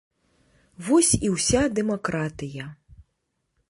Вось і ўся дэмакратыя!